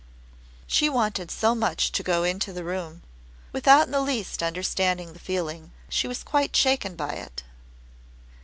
She wanted so much to go into the room. Without in the least understanding the feeling, she was quite shaken by it.